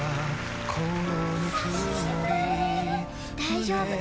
大丈夫。